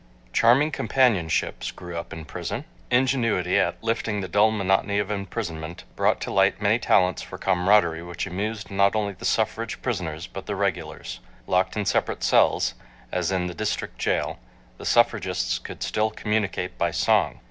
Charming companionships grew up in prison. Ingenuity at lifting the dull monotony of imprisonment brought to light many talents for camaraderie which amused not only the suffrage prisoners but the "regulars." Locked in separate cells, as in the District Jail, the suffragists could still communicate by song.